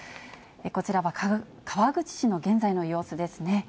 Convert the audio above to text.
こちらは川口市の現在の様子ですね。